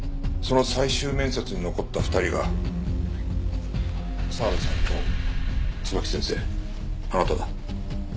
その最終面接に残った２人が澤部さんと椿木先生あなただ。